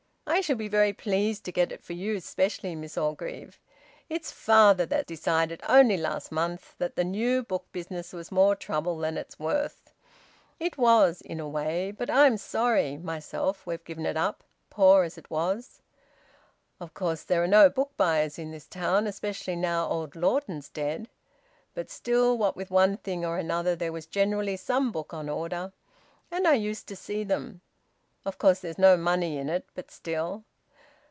I shall be very pleased to get it for you specially, Miss Orgreave. It's father that decided only last month that the new book business was more trouble than it's worth. It was in a way; but I'm sorry, myself, we've given it up, poor as it was. Of course there are no book buyers in this town, especially now old Lawton's dead. But still, what with one thing or another, there was generally some book on order, and I used to see them. Of course there's no money in it. But still...